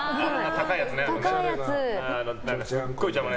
高いやつね。